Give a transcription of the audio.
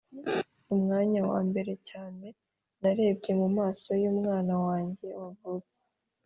umwanya wambere cyane narebye mumaso yumwana wanjye wavutse